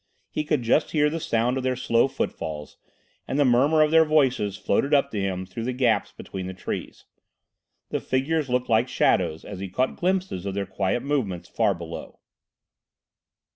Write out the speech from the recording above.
He could just hear the sound of their slow footfalls, and the murmur of their voices floated up to him through the gaps between the trees. The figures looked like shadows as he caught glimpses of their quiet movements far below.